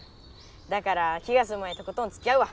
だから気がすむまでとことんつきあうわ！